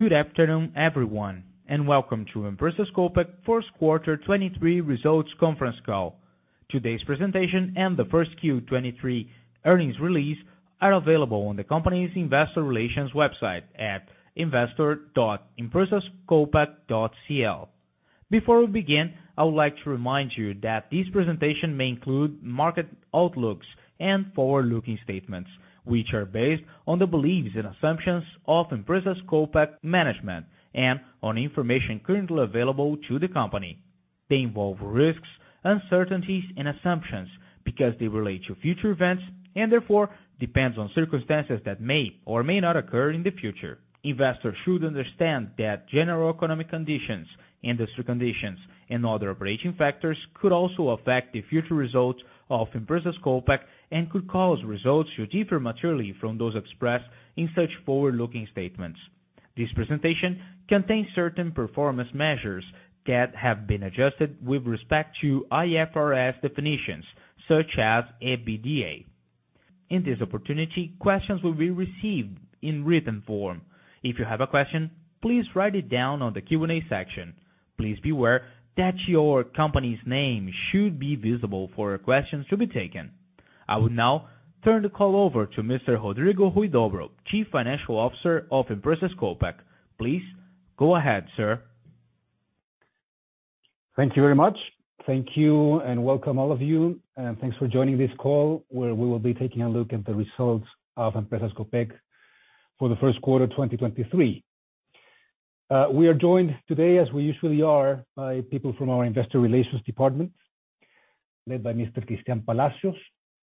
Good afternoon, everyone, and welcome to Empresas Copec first quarter 2023 results conference call. Today's presentation and the first Q-23 earnings release are available on the company's investor relations website at investor.empresascopec.cl. Before we begin, I would like to remind you that this presentation may include market outlooks and forward-looking statements, which are based on the beliefs and assumptions of Empresas Copec management and on information currently available to the company. They involve risks, uncertainties and assumptions because they relate to future events and therefore depends on circumstances that may or may not occur in the future. Investors should understand that general economic conditions, industry conditions, and other operating factors could also affect the future results of Empresas Copec and could cause results to differ materially from those expressed in such forward-looking statements. This presentation contains certain performance measures that have been adjusted with respect to IFRS definitions such as EBITDA. In this opportunity, questions will be received in written form. If you have a question, please write it down on the Q&A section. Please be aware that your company's name should be visible for your questions to be taken. I will now turn the call over to Mr. Rodrigo Huidobro, Chief Financial Officer of Empresas Copec. Please go ahead, sir. Thank you very much. Thank you and welcome all of you. Thanks for joining this call where we will be taking a look at the results of Empresas Copec for the first quarter 2023. We are joined today, as we usually are, by people from our investor relations department, led by Mr. Cristián Palacios,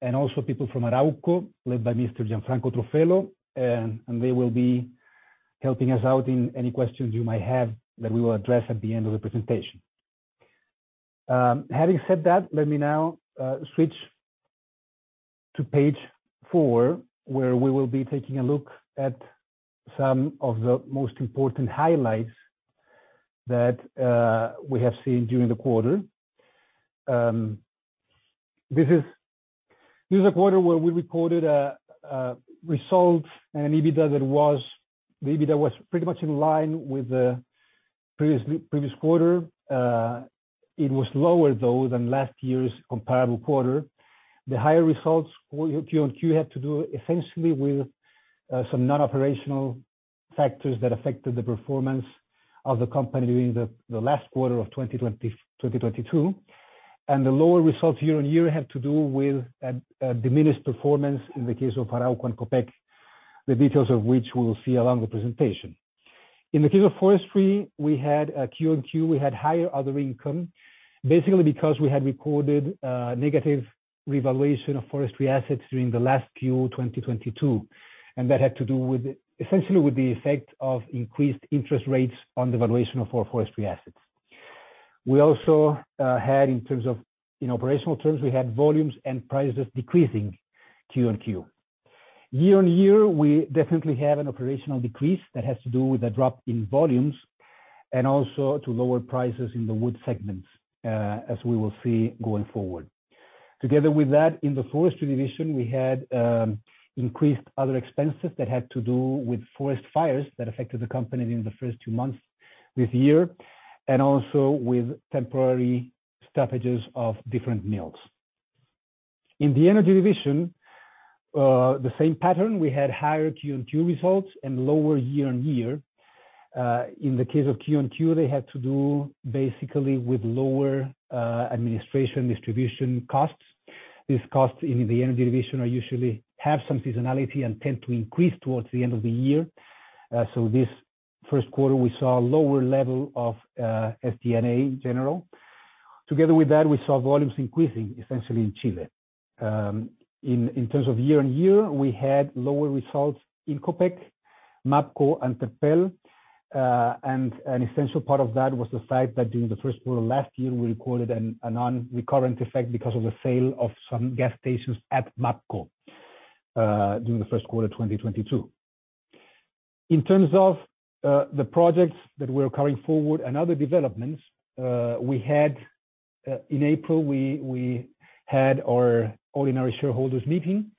and also people from Arauco, led by Mr. Gianfranco Truffello. They will be helping us out in any questions you might have that we will address at the end of the presentation. Having said that, let me now switch to page 4, where we will be taking a look at some of the most important highlights that we have seen during the quarter. This is a quarter where we recorded a result and an EBITDA the EBITDA was pretty much in line with the previous quarter. It was lower though, than last year's comparable quarter. The higher results Q on Q had to do essentially with some non-operational factors that affected the performance of the company during the last quarter of 2022. The lower results year on year had to do with a diminished performance in the case of Arauco and Copec, the details of which we will see along the presentation. In the case of forestry, we had Q and Q, we had higher other income, basically because we had recorded negative revaluation of forestry assets during the last Q 2022. That had to do with essentially the effect of increased interest rates on the valuation of our forestry assets. We also had in operational terms, we had volumes and prices decreasing Q on Q. Year-on-year, we definitely have an operational decrease that has to do with a drop in volumes and also to lower prices in the wood segments, as we will see going forward. Together with that, in the forestry division, we had increased other expenses that had to do with forest fires that affected the company during the first two months this year, and also with temporary stoppages of different mills. In the energy division, the same pattern, we had higher Q on Q results and lower year-on-year. In the case of Q on Q, they had to do basically with lower administration distribution costs. These costs in the energy division are usually have some seasonality and tend to increase towards the end of the year. This first quarter we saw a lower level of SG&A in general. Together with that, we saw volumes increasing essentially in Chile. In terms of year-on-year, we had lower results in Copec, MAPCO and Terpel. An essential part of that was the fact that during the first quarter last year, we recorded a non-recurrent effect because of the sale of some gas stations at MAPCO during the first quarter of 2022. In terms of the projects that we're carrying forward and other developments, we had, in April, we had our ordinary shareholders meeting,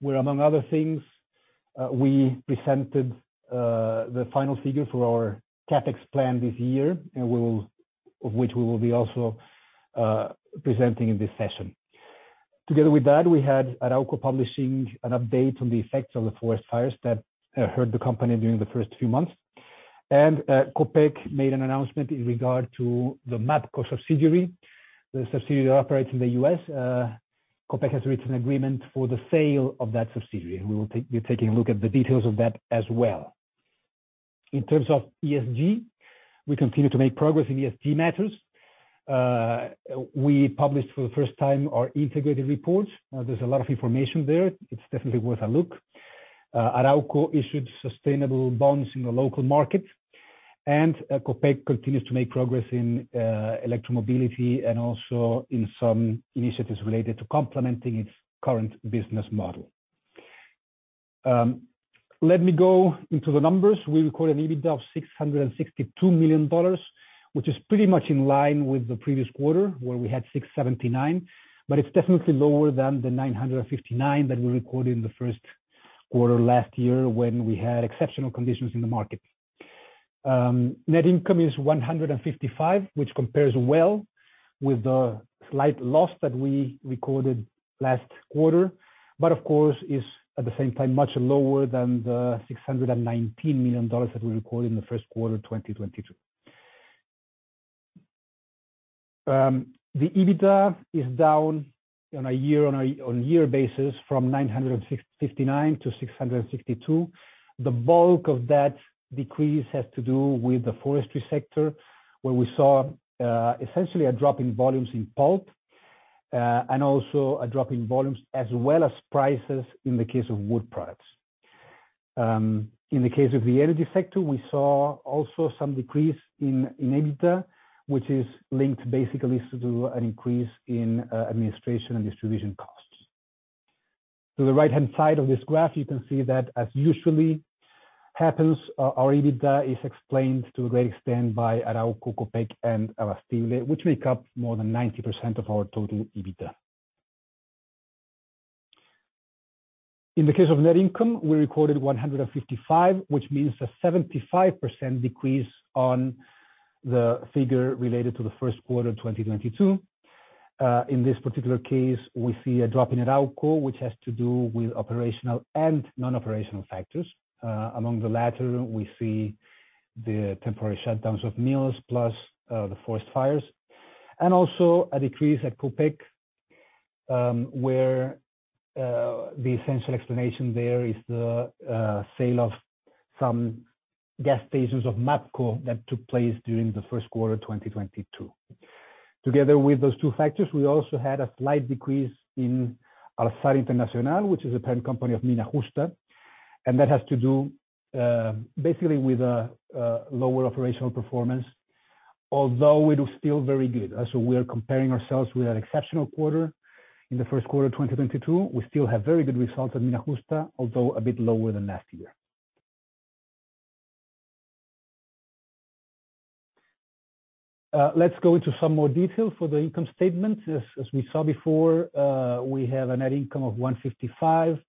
where among other things, we presented the final figures for our CapEx plan this year, of which we will be also presenting in this session. Together with that, we had Arauco publishing an update on the effects of the forest fires that hurt the company during the first few months. Copec made an announcement in regard to the MAPCO subsidiary that operates in the US. Copec has reached an agreement for the sale of that subsidiary. We will be taking a look at the details of that as well. In terms of ESG, we continue to make progress in ESG matters. We published for the first time our integrated report. There's a lot of information there. It's definitely worth a look. Arauco issued sustainable bonds in the local market, Copec continues to make progress in electromobility and also in some initiatives related to complementing its current business model. Let me go into the numbers. We recorded an EBITDA of $662 million dollars, which is pretty much in line with the previous quarter where we had $679. It's definitely lower than the $959 that we recorded in the first quarter last year when we had exceptional conditions in the market. Net income is $155, which compares well with the slight loss that we recorded last quarter. Of course, is, at the same time, much lower than the $619 million dollars that we recorded in the first quarter 2022. The EBITDA is down on a year basis from $969 to $662. The bulk of that decrease has to do with the forestry sector, where we saw essentially a drop in volumes in pulp and also a drop in volumes as well as prices in the case of wood products. In the case of the energy sector, we saw also some decrease in EBITDA, which is linked basically to an increase in administration and distribution costs. To the right-hand side of this graph, you can see that as usually happens, our EBITDA is explained to a great extent by Arauco, Copec S.A., and Abastible, which make up more than 90% of our total EBITDA. In the case of net income, we recorded $155, which means a 75% decrease on the figure related to the first quarter 2022. In this particular case, we see a drop in Arauco, which has to do with operational and non-operational factors. Among the latter, we see the temporary shutdowns of mills plus the forest fires, and also a decrease at Copec, where the essential explanation there is the sale of some gas stations of MAPCO that took place during the first quarter 2022. Together with those two factors, we also had a slight decrease in Alxar Internacional, which is a parent company of Mina Justa, and that has to do basically with a lower operational performance, although we do still very good. We are comparing ourselves with an exceptional quarter. In the first quarter 2022, we still have very good results at Mina Justa, although a bit lower than last year. Let's go into some more detail for the income statement. As we saw before, we have a net income of $155,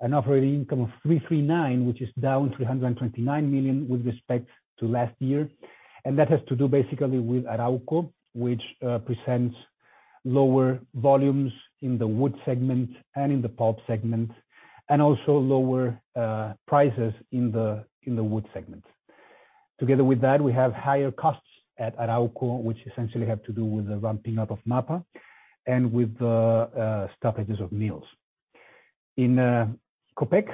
an operating income of $339, which is down $329 million with respect to last year. That has to do basically with Arauco, which presents lower volumes in the wood segment and in the pulp segment, and also lower prices in the wood segment. Together with that, we have higher costs at Arauco, which essentially have to do with the ramping up of MAPA and with the stoppages of mills. In Copec,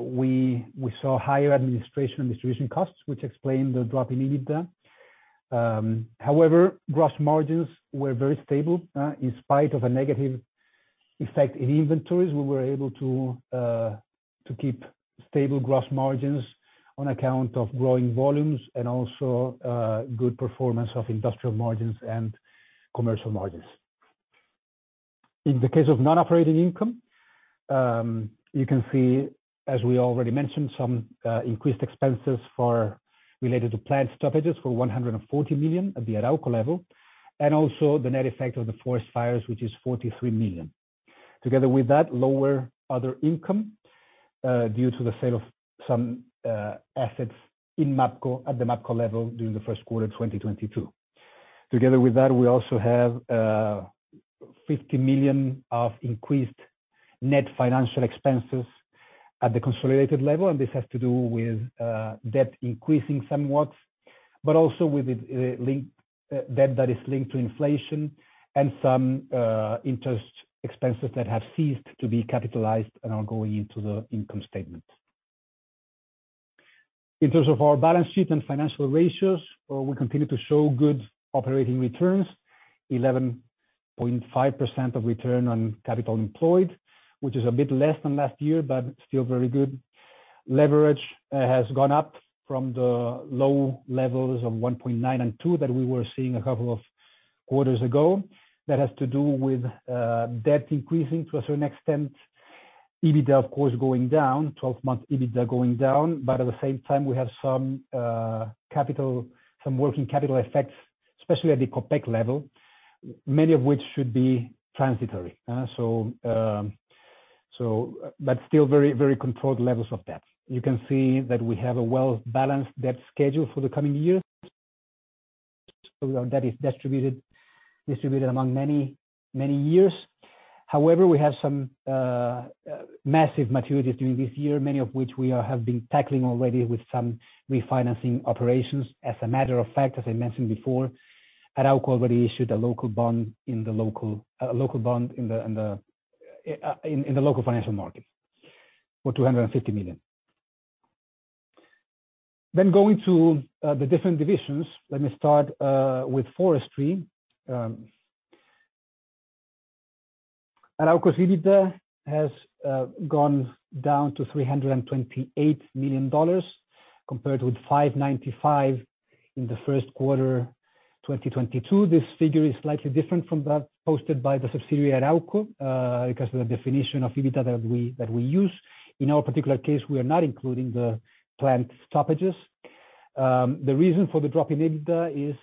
we saw higher administration and distribution costs, which explain the drop in EBITDA. However, gross margins were very stable, in spite of a negative effect in inventories. We were able to keep stable gross margins on account of growing volumes and also good performance of industrial margins and commercial margins. In the case of non-operating income, you can see, as we already mentioned, some increased expenses for related to plant stoppages for $140 million at the Arauco level, and also the net effect of the forest fires, which is $43 million. Together with that, lower other income, due to the sale of some assets in MAPCO at the MAPCO level during the first quarter 2022. Together with that, we also have $50 million of increased net financial expenses at the consolidated level, and this has to do with debt increasing somewhat, but also with the link debt that is linked to inflation and some interest expenses that have ceased to be capitalized and are going into the income statement. In terms of our balance sheet and financial ratios, we continue to show good operating returns, 11.5% of return on capital employed, which is a bit less than last year, but still very good. Leverage has gone up from the low levels of 1.9 and 2 that we were seeing a couple of quarters ago. That has to do with debt increasing to a certain extent. EBITDA, of course, going down, 12-month EBITDA going down. At the same time, we have some capital, some working capital effects, especially at the Copec level, many of which should be transitory. Still very, very controlled levels of debt. You can see that we have a well-balanced debt schedule for the coming years. That is distributed among many, many years. However, we have some massive maturities during this year, many of which we have been tackling already with some refinancing operations. As a matter of fact, as I mentioned before, Arauco already issued a local bond in the local financial market for $250 million. Going to the different divisions. Let me start with forestry. Arauco's EBITDA has gone down to $328 million compared with $595 million in the first quarter 2022. This figure is slightly different from that posted by the subsidiary Arauco, because of the definition of EBITDA that we use. In our particular case, we are not including the plant stoppages. The reason for the drop in EBITDA is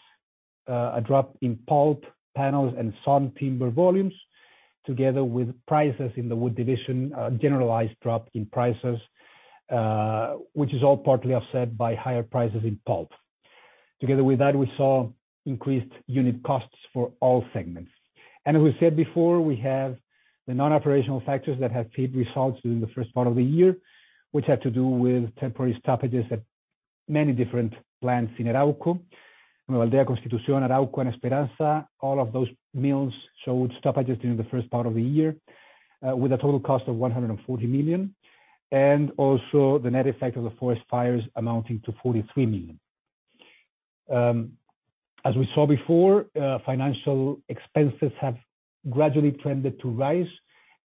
a drop in pulp panels and sawn timber volumes together with prices in the wood division, a generalized drop in prices, which is all partly offset by higher prices in pulp. Together with that, we saw increased unit costs for all segments. As we said before, we have the non-operational factors that have shaped results during the first part of the year, which had to do with temporary stoppages at many different plants in Arauco. Huayllay, Constitución, Arauco, and Esperanza, all of those mills showed stoppages during the first part of the year, with a total cost of $140 million, and also the net effect of the forest fires amounting to $43 million. As we saw before, financial expenses have gradually tended to rise.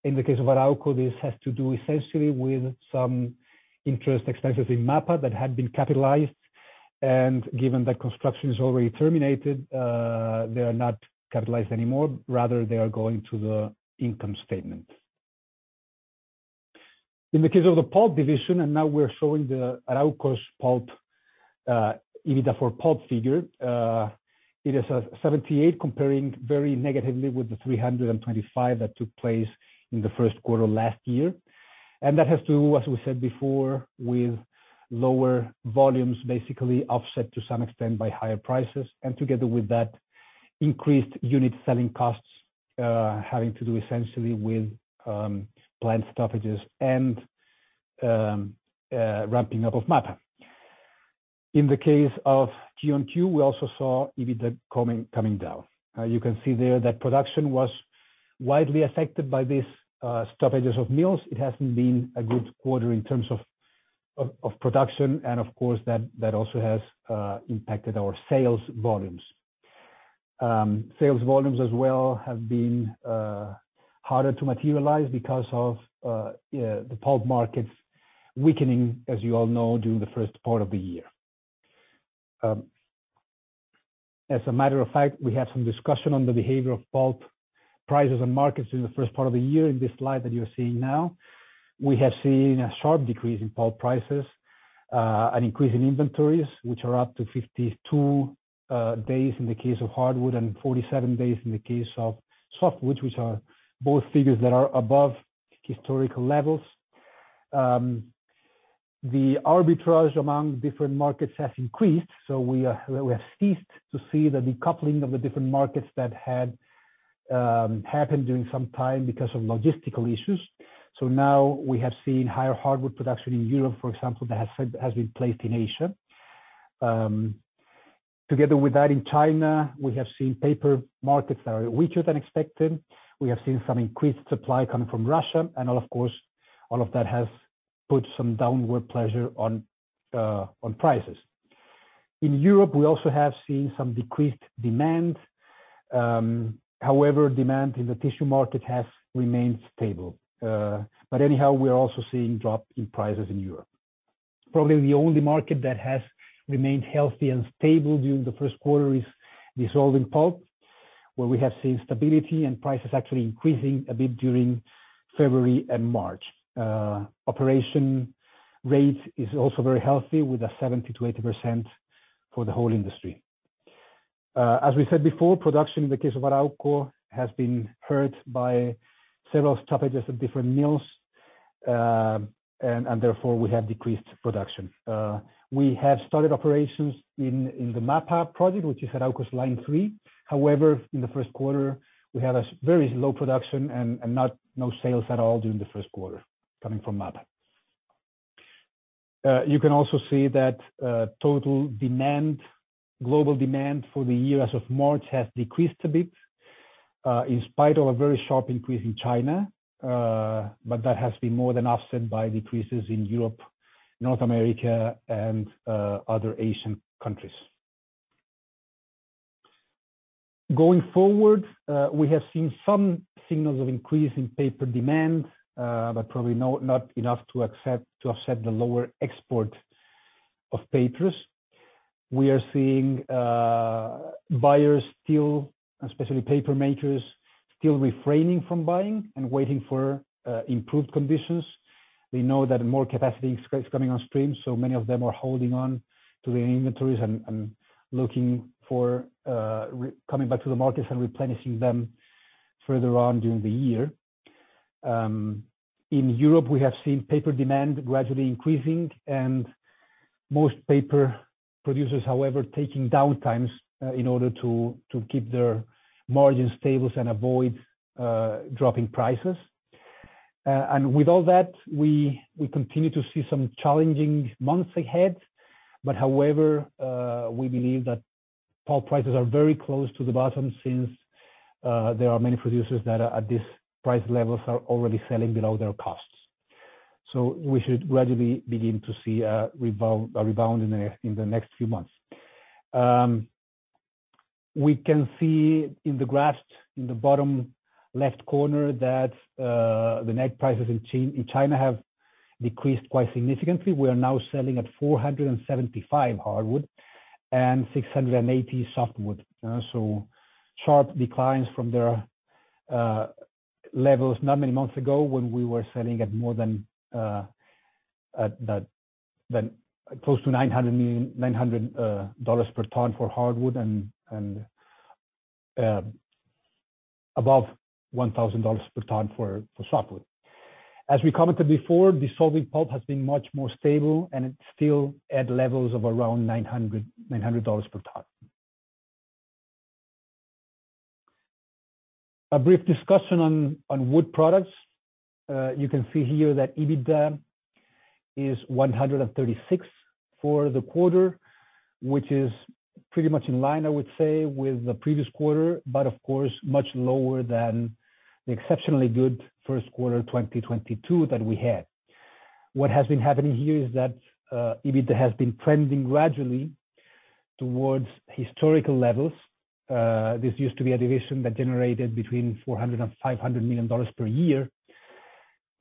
In the case of Arauco, this has to do essentially with some interest expenses in MAPA that had been capitalized. Given that construction is already terminated, they are not capitalized anymore. Rather, they are going to the income statement. In the case of the pulp division, now we're showing the Arauco's pulp EBITDA for pulp figure. It is 78 comparing very negatively with the 325 that took place in the first quarter last year. That has to do, as we said before, with lower volumes, basically offset to some extent by higher prices. Together with that, increased unit selling costs, having to do essentially with plant stoppages and ramping up of MAPA. In the case of GNQ, we also saw EBITDA coming down. You can see there that production was widely affected by these stoppages of mills. It hasn't been a good quarter in terms of production, and of course, that also has impacted our sales volumes. Sales volumes as well have been harder to materialize because of, yeah, the pulp markets weakening, as you all know, during the first part of the year. As a matter of fact, we have some discussion on the behavior of pulp prices and markets in the first part of the year in this slide that you're seeing now. We have seen a sharp decrease in pulp prices, an increase in inventories, which are up to 52 days in the case of hardwood and 47 days in the case of softwood, which are both figures that are above historical levels. The arbitrage among different markets has increased, so we have ceased to see the decoupling of the different markets that had happened during some time because of logistical issues. Now we have seen higher hardwood production in Europe, for example, that has been placed in Asia. Together with that, in China, we have seen paper markets that are weaker than expected. We have seen some increased supply coming from Russia. Of course, all of that has put some downward pressure on prices. In Europe, we also have seen some decreased demand. However, demand in the tissue market has remained stable. Anyhow, we are also seeing drop in prices in Europe. Probably the only market that has remained healthy and stable during the first quarter is dissolving pulp, where we have seen stability and prices actually increasing a bit during February and March. Operation rate is also very healthy with a 70%-80% for the whole industry. As we said before, production in the case of Arauco has been hurt by several stoppages of different mills. Therefore, we have decreased production. We have started operations in the MAPA project, which is Arauco's line 3. In the first quarter, we had a very low production and no sales at all during the first quarter coming from MAPA. You can also see that total demand, global demand for the year as of March has decreased a bit in spite of a very sharp increase in China. That has been more than offset by decreases in Europe, North America, and other Asian countries. Going forward, we have seen some signals of increase in paper demand, but probably not enough to offset the lower export of papers. We are seeing buyers still, especially paper makers, still refraining from buying and waiting for improved conditions. We know that more capacity is coming on stream, so many of them are holding on to their inventories and looking for, coming back to the markets and replenishing them further on during the year. In Europe, we have seen paper demand gradually increasing, and most paper producers, however, taking downtimes in order to keep their margins stable and avoid dropping prices. With all that, we continue to see some challenging months ahead. However, we believe that pulp prices are very close to the bottom since there are many producers that are at this price levels are already selling below their costs. We should gradually begin to see a rebound in the next few months. We can see in the graphs in the bottom left corner that the net prices in China have decreased quite significantly. We are now selling at $475 hardwood and $680 softwood. So sharp declines from their levels not many months ago when we were selling at more than close to $900 per ton for hardwood and above $1,000 per ton for softwood. As we commented before, dissolving pulp has been much more stable, and it is still at levels of around $900 per ton. A brief discussion on wood products. You can see here that EBITDA is $136 for the quarter, which is pretty much in line, I would say, with the previous quarter, but of course much lower than the exceptionally good first quarter 2022 that we had. What has been happening here is that EBITDA has been trending gradually towards historical levels. This used to be a division that generated between $400 million and $500 million per year.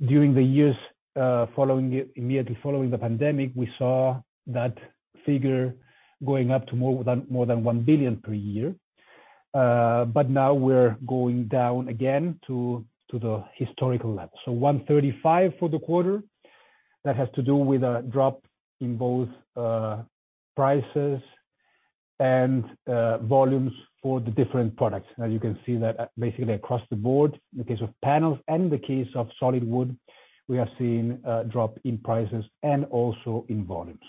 During the years immediately following the pandemic, we saw that figure going up to more than $1 billion per year. Now we're going down again to the historical level. So $135 for the quarter. That has to do with a drop in both prices and volumes for the different products. You can see that basically across the board in the case of panels and the case of solid wood, we have seen a drop in prices and also in volumes.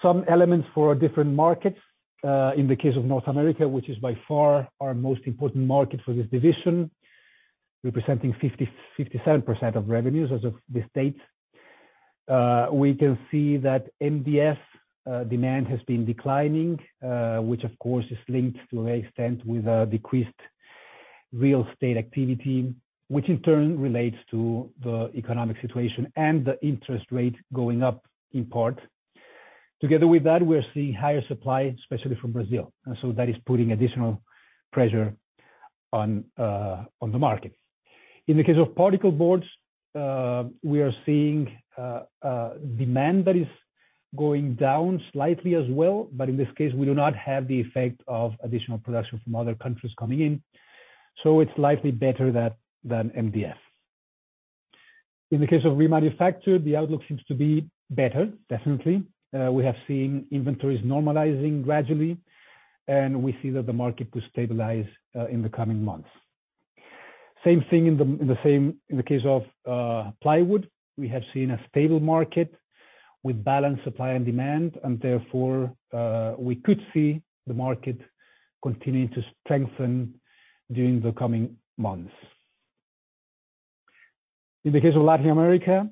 Some elements for our different markets. In the case of North America, which is by far our most important market for this division, representing 57% of revenues as of this date. We can see that MDF demand has been declining, which of course is linked to a extent with decreased real estate activity, which in turn relates to the economic situation and the interest rate going up in part. Together with that, we are seeing higher supply, especially from Brazil. That is putting additional pressure on the market. In the case of particleboard, we are seeing demand that is going down slightly as well. In this case, we do not have the effect of additional production from other countries coming in. It's slightly better than MDF. In the case of remanufactured, the outlook seems to be better, definitely. We have seen inventories normalizing gradually, and we see that the market will stabilize in the coming months. Same thing in the case of plywood. We have seen a stable market with balanced supply and demand. Therefore, we could see the market continuing to strengthen during the coming months. In the case of Latin America,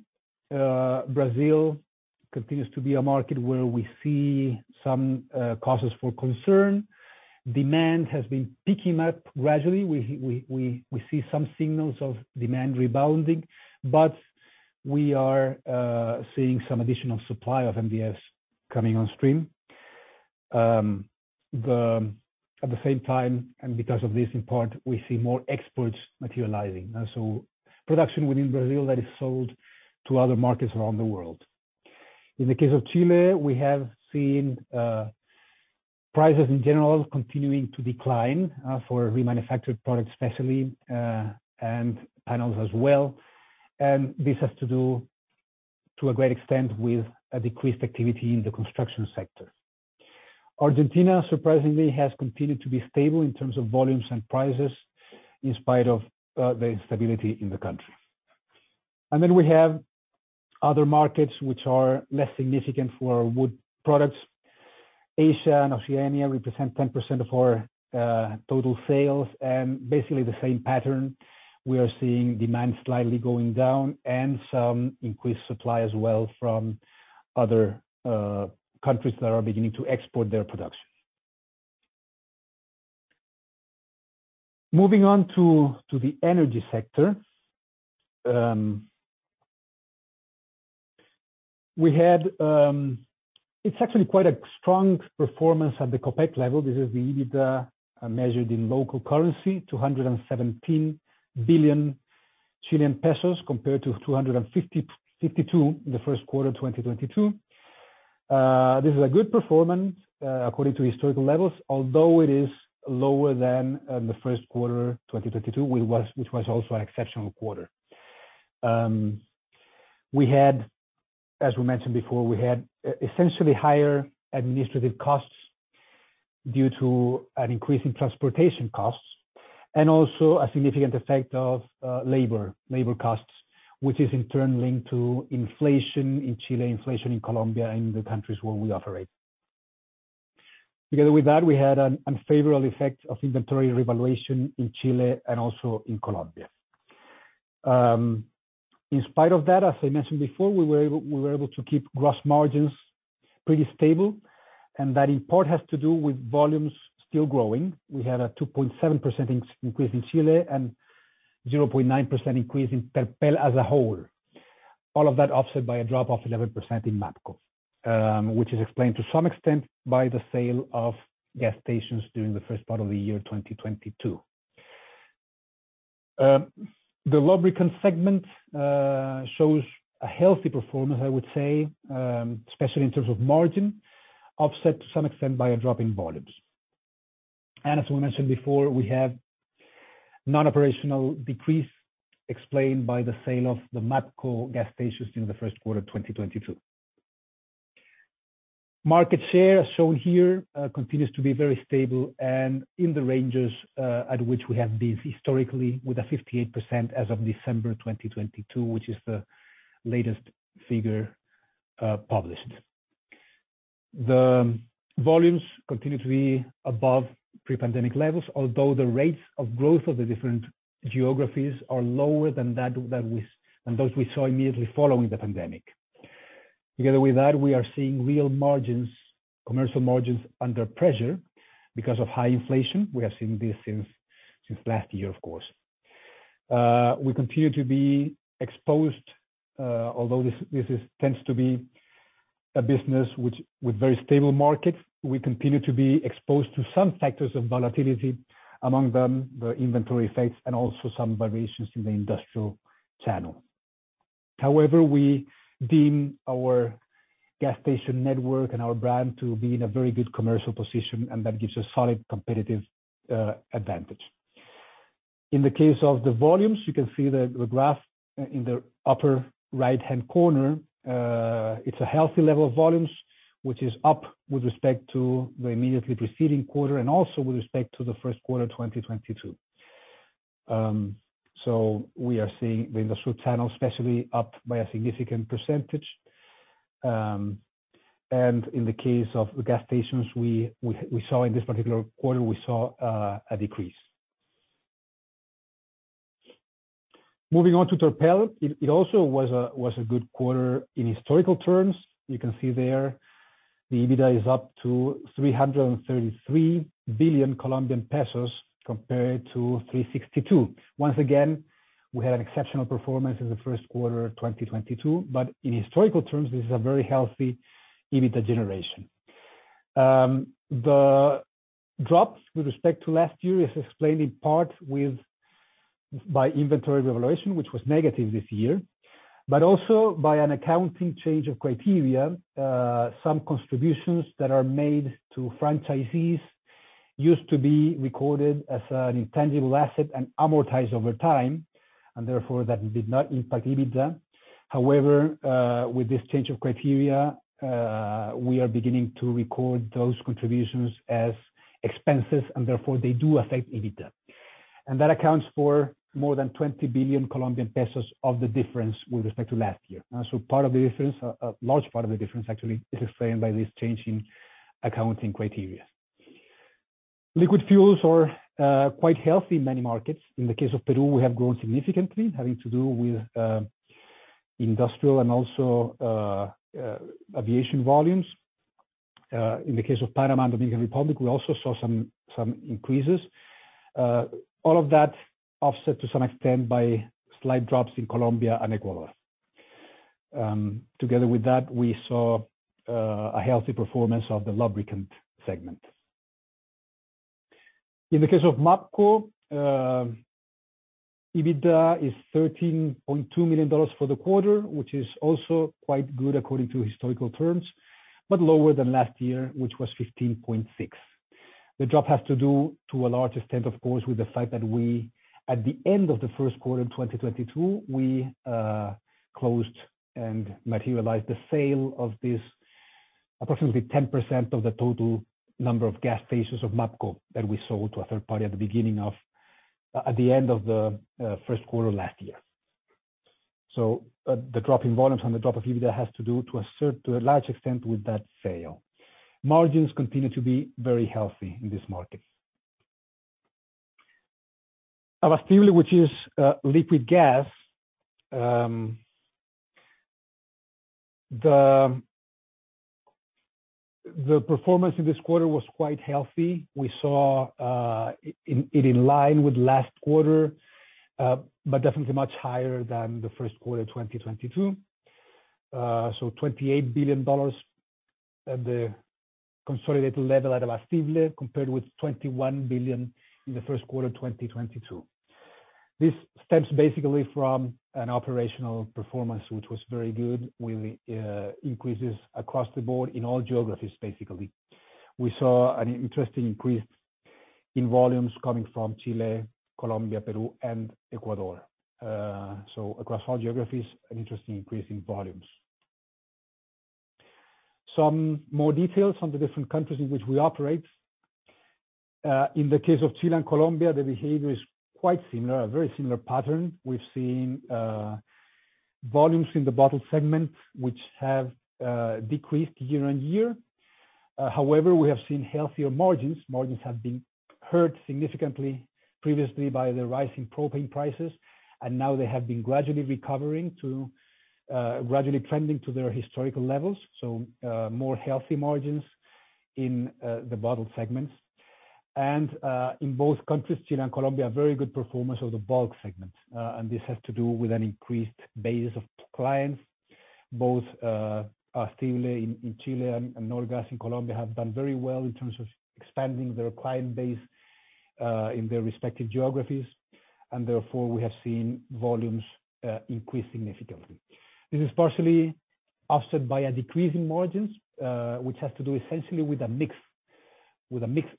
Brazil continues to be a market where we see some causes for concern. Demand has been picking up gradually. We see some signals of demand rebounding, but we are seeing some additional supply of MDF coming on stream. At the same time, and because of this in part, we see more exports materializing. Production within Brazil that is sold to other markets around the world. In the case of Chile, we have seen prices in general continuing to decline for remanufactured products especially, and panels as well. This has to do to a great extent with a decreased activity in the construction sector. Argentina, surprisingly, has continued to be stable in terms of volumes and prices in spite of the instability in the country. We have other markets which are less significant for our wood products. Asia and Oceania represent 10% of our total sales. Basically the same pattern, we are seeing demand slightly going down and some increased supply as well from other countries that are beginning to export their production. Moving on to the energy sector. It's actually quite a strong performance at the COPEC level. This is the EBITDA measured in local currency, 217 billion Chilean pesos, compared to 250.52 in the first quarter of 2022. This is a good performance according to historical levels, although it is lower than the first quarter 2022, which was also an exceptional quarter. We had, as we mentioned before, we had essentially higher administrative costs due to an increase in transportation costs, and also a significant effect of labor costs, which is in turn linked to inflation in Chile, inflation in Colombia, and in the countries where we operate. Together with that, we had an unfavorable effect of inventory revaluation in Chile and also in Colombia. In spite of that, as I mentioned before, we were able to keep gross margins pretty stable, and that in part has to do with volumes still growing. We had a 2.7% increase in Chile and 0.9% increase in Terpel as a whole. All of that offset by a drop of 11% in MAPCO, which is explained to some extent by the sale of gas stations during the first part of the year 2022. The lubricant segment shows a healthy performance, I would say, especially in terms of margin, offset to some extent by a drop in volumes. As we mentioned before, we have non-operational decrease explained by the sale of the MAPCO gas stations in the first quarter, 2022. Market share, shown here, continues to be very stable and in the ranges at which we have been historically with a 58% as of December 2022, which is the latest figure published. The volumes continue to be above pre-pandemic levels, although the rates of growth of the different geographies are lower than those we saw immediately following the pandemic. Together with that, we are seeing real margins, commercial margins under pressure because of high inflation. We have seen this since last year, of course. We continue to be exposed, although this is tends to be a business which with very stable markets, we continue to be exposed to some factors of volatility, among them the inventory effects and also some variations in the industrial channel. However, we deem our gas station network and our brand to be in a very good commercial position, and that gives us solid competitive advantage. In the case of the volumes, you can see that the graph in the upper right-hand corner, it's a healthy level of volumes, which is up with respect to the immediately preceding quarter and also with respect to the first quarter 2022. We are seeing the industrial channel, especially up by a significant percentage. In the case of gas stations, we saw in this particular quarter, we saw a decrease. Moving on to Terpel. It also was a good quarter in historical terms. You can see there the EBITDA is up to COP 333 billion compared to COP 362 billion. Once again, we had an exceptional performance in the first quarter of 2022. In historical terms, this is a very healthy EBITDA generation. The drops with respect to last year is explained in part by inventory revaluation, which was negative this year, but also by an accounting change of criteria. Some contributions that are made to franchisees used to be recorded as an intangible asset and amortized over time, and therefore that did not impact EBITDA. However, with this change of criteria, we are beginning to record those contributions as expenses, and therefore they do affect EBITDA. That accounts for more than COP 20 billion of the difference with respect to last year. Part of the difference, a large part of the difference actually is explained by this change in accounting criteria. Liquid fuels are quite healthy in many markets. In the case of Peru, we have grown significantly, having to do with industrial and also aviation volumes. In the case of Panama and Dominican Republic, we also saw some increases. All of that offset to some extent by slight drops in Colombia and Ecuador. Together with that, we saw a healthy performance of the lubricant segment. In the case of MAPCO, EBITDA is $13.2 million for the quarter, which is also quite good according to historical terms, but lower than last year, which was $15.6. The drop has to do to a large extent, of course, with the fact that we, at the end of the first quarter of 2022, we closed and materialized the sale of this approximately 10% of the total number of gas stations of MAPCO that we sold to a third party at the end of the first quarter last year. The drop in volumes and the drop of EBITDA has to do, to a large extent with that sale. Margins continue to be very healthy in this market. Abastible, which is liquid gas. The performance in this quarter was quite healthy. We saw it in line with last quarter, but definitely much higher than the first quarter 2022. $28 billion at the consolidated level at Abastible, compared with $21 billion in the first quarter 2022. This stems basically from an operational performance, which was very good, with increases across the board in all geographies, basically. We saw an interesting increase in volumes coming from Chile, Colombia, Peru, and Ecuador. Across all geographies, an interesting increase in volumes. Some more details on the different countries in which we operate. In the case of Chile and Colombia, the behavior is quite similar, a very similar pattern. We've seen volumes in the bottle segment, which have decreased year-on-year. We have seen healthier margins. Margins have been hurt significantly previously by the rise in propane prices, and now they have been gradually recovering to gradually trending to their historical levels, so more healthy margins in the bottle segments. In both countries, Chile and Colombia, very good performance of the bulk segment. This has to do with an increased base of clients, both Stille in Chile and Norgas in Colombia, have done very well in terms of expanding their client base in their respective geographies. Therefore, we have seen volumes increase significantly. This is partially offset by a decrease in margins, which has to do essentially with a mix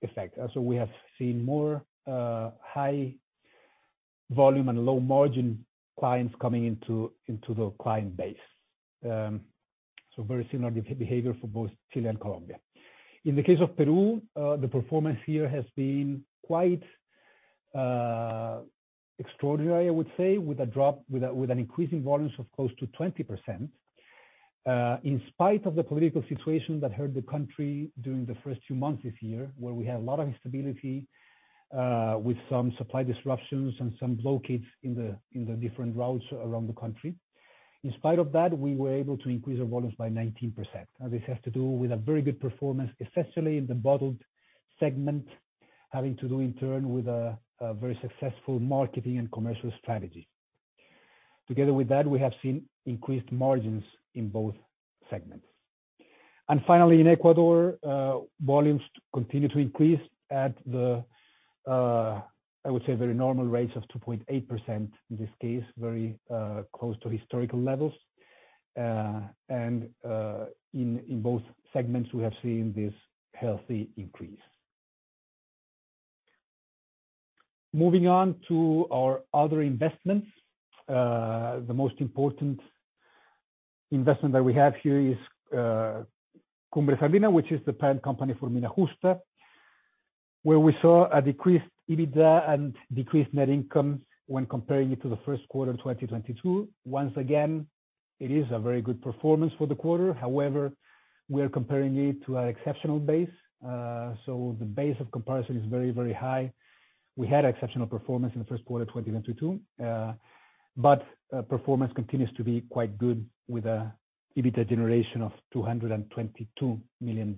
effect. So we have seen more high volume and low margin clients coming into the client base. So very similar behavior for both Chile and Colombia. In the case of Peru, the performance here has been quite extraordinary, I would say, with an increase in volumes of close to 20%, in spite of the political situation that hurt the country during the first 2 months this year, where we had a lot of instability, with some supply disruptions and some blockades in the different routes around the country. In spite of that, we were able to increase our volumes by 19%. This has to do with a very good performance, especially in the bottled segment, having to do in turn with a very successful marketing and commercial strategy. Together with that, we have seen increased margins in both segments. Finally, in Ecuador, volumes continue to increase at the, I would say, very normal rates of 2.8%, in this case, very close to historical levels. In both segments, we have seen this healthy increase. Moving on to our other investments. The most important investment that we have here is Cumbres de Mina, which is the parent company for Mina Justa, where we saw a decreased EBITDA and decreased net income when comparing it to the first quarter 2022. Once again, it is a very good performance for the quarter. However, we are comparing it to an exceptional base. The base of comparison is very, very high. We had exceptional performance in the first quarter 2022. Performance continues to be quite good with a EBITDA generation of $222 million.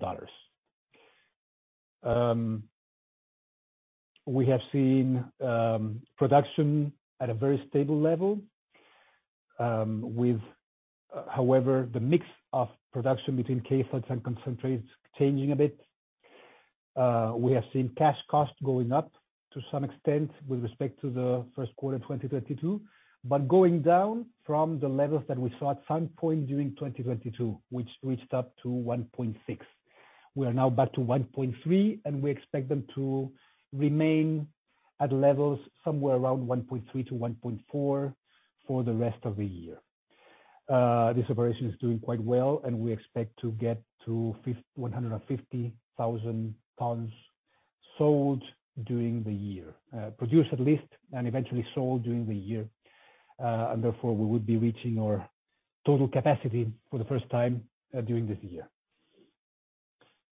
We have seen production at a very stable level, however, the mix of production between concentrates changing a bit. We have seen cash costs going up to some extent with respect to the first quarter, 2022, but going down from the levels that we saw at some point during 2022, which reached up to 1.6. We are now back to 1.3, we expect them to remain at levels somewhere around 1.3-1.4 for the rest of the year. This operation is doing quite well, we expect to get to 150,000 tons sold during the year. Produced at least and eventually sold during the year. Therefore we would be reaching our total capacity for the first time during this year.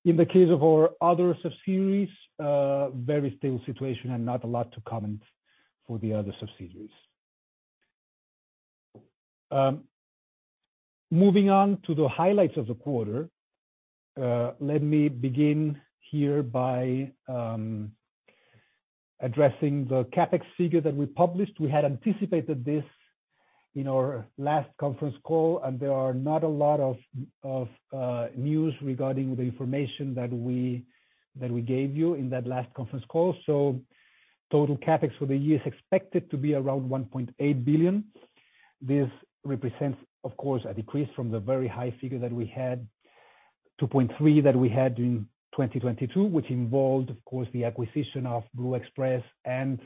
In the case of our other subsidiaries, very stable situation and not a lot to comment for the other subsidiaries. Moving on to the highlights of the quarter. Let me begin here by addressing the CapEx figure that we published. We had anticipated this in our last conference call, and there are not a lot of news regarding the information that we, that we gave you in that last conference call. Total CapEx for the year is expected to be around $1.8 billion. This represents, of course, a decrease from the very high figure that we had, 2.3 that we had in 2022, which involved, of course, the acquisition of Blue Express and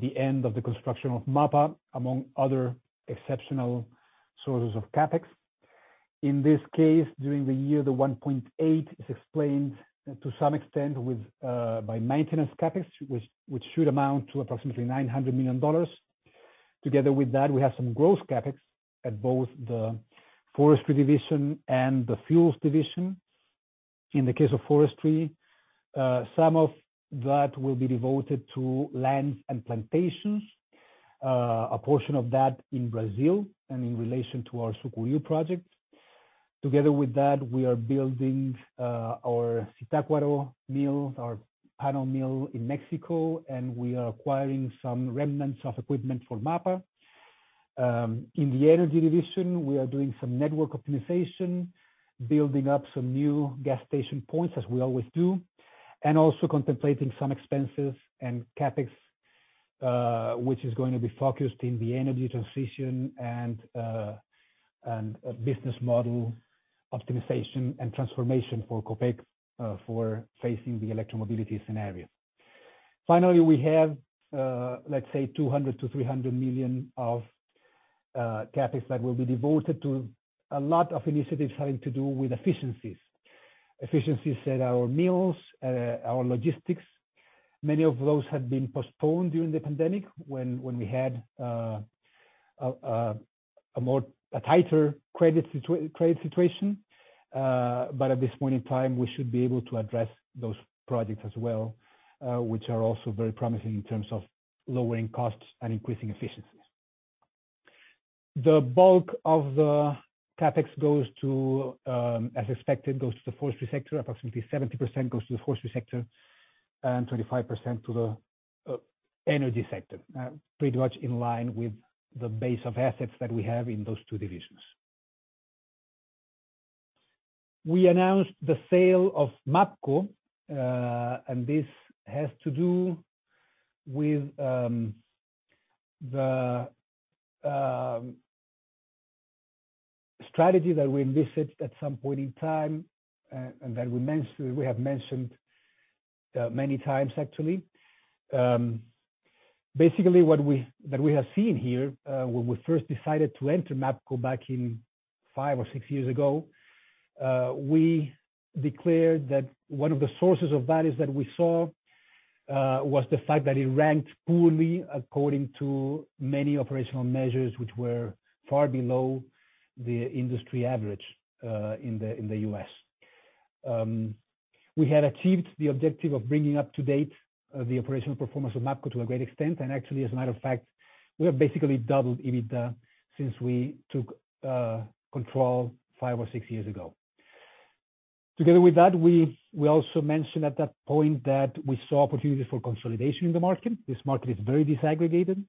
the end of the construction of MAPA, among other exceptional sources of CapEx. During the year, the 1.8 is explained to some extent by maintenance CapEx, which should amount to approximately $900 million. We have some growth CapEx at both the forestry division and the fuels division. Some of that will be devoted to lands and plantations. A portion of that in Brazil and in relation to our Sucuriú project. We are building our Zitácuaro mill, our panel mill in Mexico, and we are acquiring some remnants of equipment for MAPA. In the energy division, we are doing some network optimization, building up some new gas station points, as we always do, and also contemplating some expenses and CapEx, which is going to be focused in the energy transition and business model optimization and transformation for Copec, for facing the electromobility scenario. Finally, we have, let's say $200 million-$300 million of CapEx that will be devoted to a lot of initiatives having to do with efficiencies. Efficiencies at our mills, our logistics. Many of those had been postponed during the pandemic when we had a more, a tighter credit situation. At this point in time, we should be able to address those projects as well, which are also very promising in terms of lowering costs and increasing efficiencies. The bulk of the CapEx goes to, as expected, goes to the forestry sector. Approximately 70% goes to the forestry sector and 25% to the energy sector. Pretty much in line with the base of assets that we have in those two divisions. We announced the sale of MAPCO, and this has to do with the strategy that we enlisted at some point in time, and that we have mentioned many times actually. Basically what we, that we have seen here, when we first decided to enter MAPCO back in five or six years ago, we declared that one of the sources of values that we saw, was the fact that it ranked poorly according to many operational measures, which were far below the industry average, in the U.S. We had achieved the objective of bringing up to date, the operational performance of MAPCO to a great extent. Actually, as a matter of fact, we have basically doubled EBITDA since we took control five or six years ago. Together with that, we also mentioned at that point that we saw opportunity for consolidation in the market. This market is very disaggregated.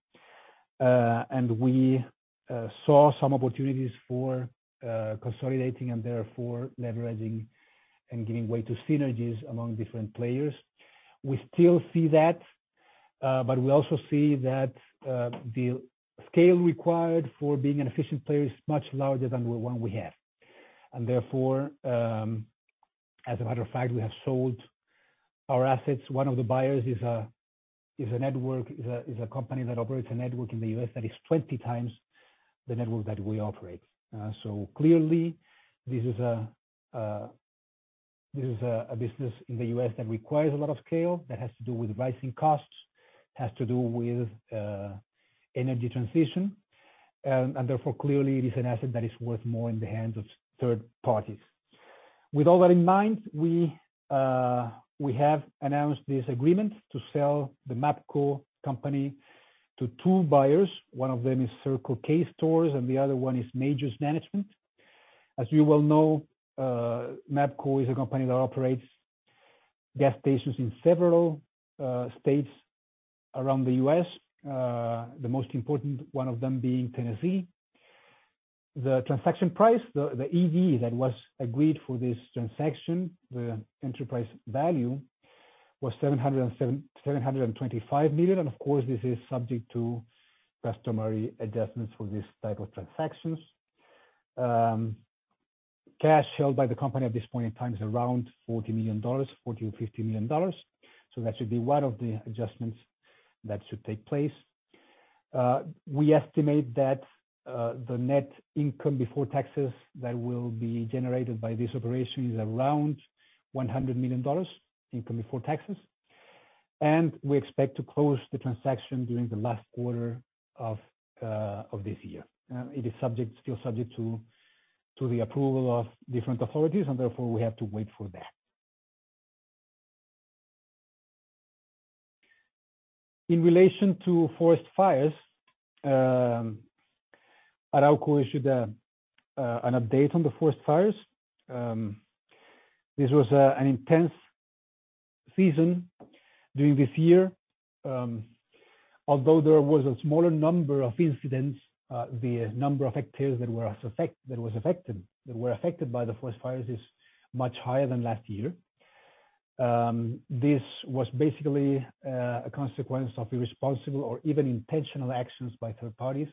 We saw some opportunities for consolidating and therefore leveraging and giving way to synergies among different players. We still see that, but we also see that the scale required for being an efficient player is much larger than the one we have. Therefore, as a matter of fact, we have sold our assets. One of the buyers is a company that operates a network in the U.S. that is 20 times the network that we operate. Clearly this is a business in the U.S. that requires a lot of scale, that has to do with rising costs, has to do with energy transition. Therefore, clearly it is an asset that is worth more in the hands of third parties. With all that in mind, we have announced this agreement to sell the MAPCO company to two buyers. One of them is Circle K Stores, and the other one is Majors Management. As you well know, MAPCO is a company that operates gas stations in several states around the U.S., the most important one of them being Tennessee. The transaction price, the EV that was agreed for this transaction, the enterprise value, was $725 million. Of course, this is subject to customary adjustments for this type of transactions. Cash held by the company at this point in time is around $40 million, $40 million-$50 million. That should be one of the adjustments that should take place. We estimate that, the net income before taxes that will be generated by this operation is around $100 million income before taxes. We expect to close the transaction during the last quarter of this year. It is subject, still subject to the approval of different authorities, and therefore we have to wait for that. In relation to forest fires, Arauco issued, an update on the forest fires. This was, an intense season during this year. Although there was a smaller number of incidents, the number of hectares that were affected by the forest fires is much higher than last year. This was basically a consequence of irresponsible or even intentional actions by third parties,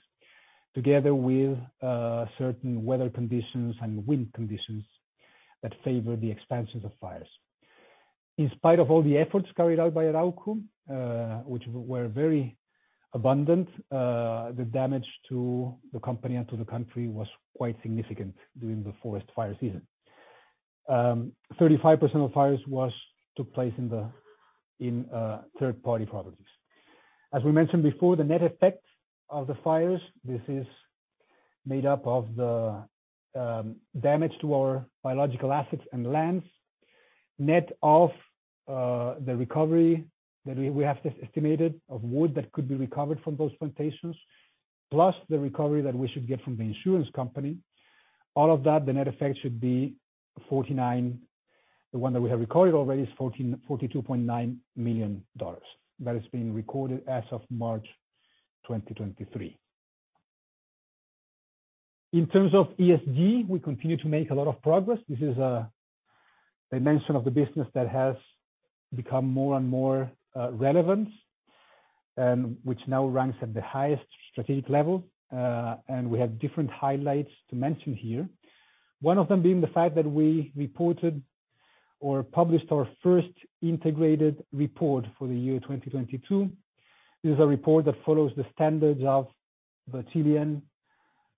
together with certain weather conditions and wind conditions that favor the expansion of fires. In spite of all the efforts carried out by Arauco, which were very abundant, the damage to the company and to the country was quite significant during the forest fire season. 35% of fires took place in the, in, third party properties. As we mentioned before, the net effect of the fires, this is made up of the damage to our biological assets and lands, net of the recovery that we have estimated of wood that could be recovered from those plantations, plus the recovery that we should get from the insurance company. All of that, the net effect should be 49. The one that we have recorded already is $42.9 million. That is being recorded as of March 2023. In terms of ESG, we continue to make a lot of progress. This is a dimension of the business that has become more and more relevant and which now ranks at the highest strategic level. We have different highlights to mention here. One of them being the fact that we reported or published our first integrated report for the year 2022. This is a report that follows the standards of the Chilean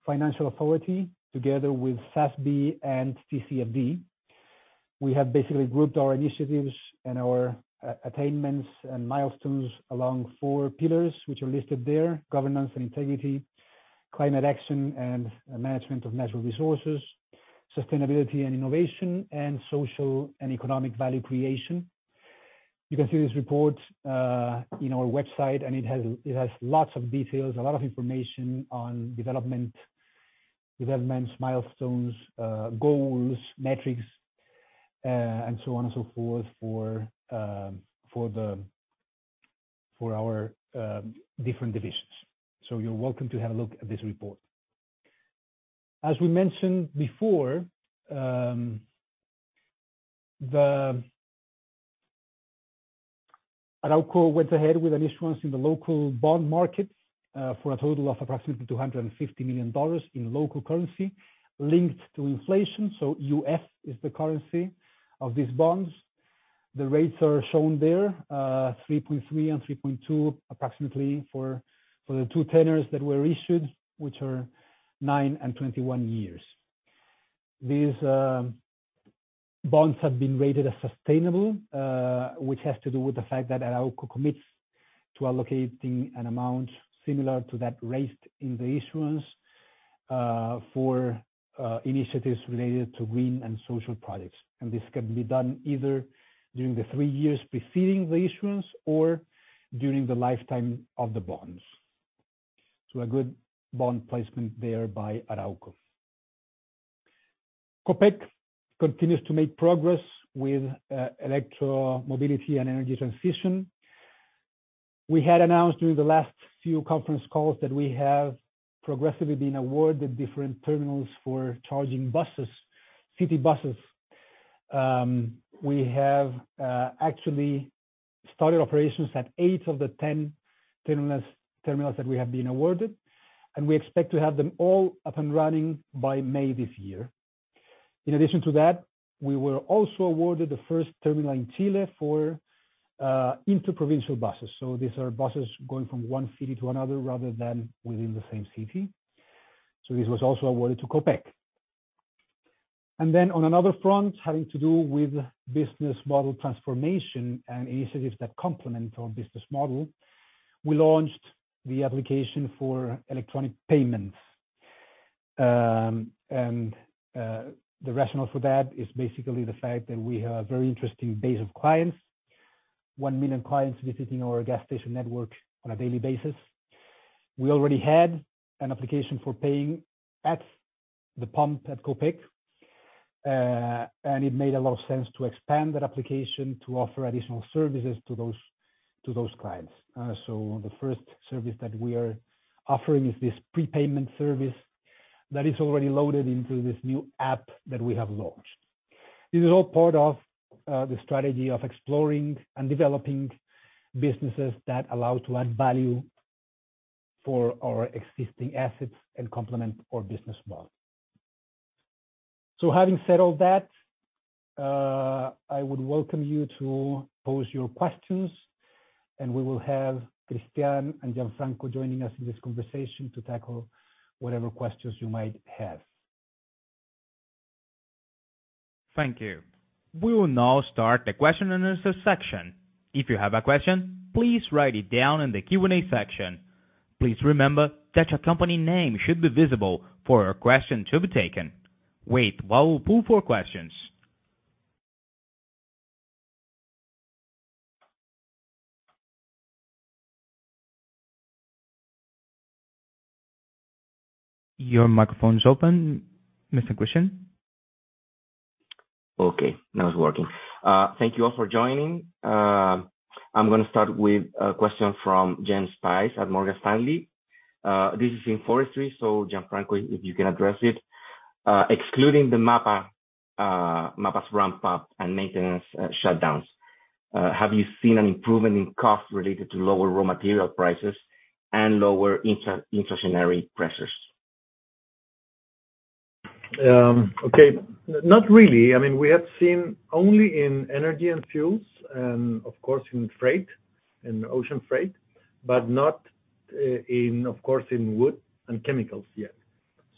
Financial Authority together with SASB and TCFD. We have basically grouped our initiatives and our attainments and milestones along four pillars, which are listed there: governance and integrity, climate action, and management of natural resources, sustainability and innovation, and social and economic value creation. You can see this report in our website, and it has lots of details, a lot of information on developments, milestones, goals, metrics, and so on and so forth for our different divisions. You're welcome to have a look at this report. As we mentioned before, the... Arauco went ahead with an issuance in the local bond market for a total of approximately $250 million in local currency linked to inflation. UF is the currency of these bonds. The rates are shown there, 3.3% and 3.2% approximately for the 2 tenors that were issued, which are 9 and 21 years. These bonds have been rated as sustainable, which has to do with the fact that Arauco commits to allocating an amount similar to that raised in the issuance, for initiatives related to green and social projects. This can be done either during the 3 years preceding the issuance or during the lifetime of the bonds. A good bond placement there by Arauco. Copec continues to make progress with electro mobility and energy transition. We had announced during the last few conference calls that we have progressively been awarded different terminals for charging buses, city buses. We have actually started operations at 8 of the 10 terminals that we have been awarded, and we expect to have them all up and running by May this year. In addition to that, we were also awarded the first terminal in Chile for inter-provincial buses. These are buses going from one city to another rather than within the same city. This was also awarded to Copec. On another front, having to do with business model transformation and initiatives that complement our business model, we launched the application for electronic payments. The rationale for that is basically the fact that we have a very interesting base of clients, 1 million clients visiting our gas station network on a daily basis. We already had an application for paying at the pump at Copec, it made a lot of sense to expand that application to offer additional services to those clients. The first service that we are offering is this prepayment service that is already loaded into this new app that we have launched. This is all part of the strategy of exploring and developing businesses that allow to add value for our existing assets and complement our business model. Having said all that, I would welcome you to pose your questions, we will have Christian and Gianfranco Truffello joining us in this conversation to tackle whatever questions you might have. Thank you. We will now start the question and answer section. If you have a question, please write it down in the Q&A section. Please remember that your company name should be visible for your question to be taken. Wait while we pull for questions. Your microphone is open, Mr. Cristián. Okay, now it's working. Thank you all for joining. I'm gonna start with a question from Jens Spiess at Morgan Stanley. This is in forestry, so Gianfranco, if you can address it. Excluding the MAPA's ramp up and maintenance shutdowns, have you seen an improvement in costs related to lower raw material prices and lower inflationary pressures? Okay. Not really. I mean, we have seen only in energy and fuels and of course, in freight, in ocean freight, but not, in, of course, in wood and chemicals yet.